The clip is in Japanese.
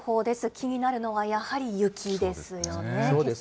気になるのがやはり、雪ですよね。